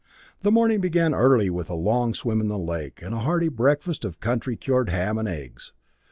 The morning began early with a long swim in the lake, and a hearty breakfast of country cured ham and eggs.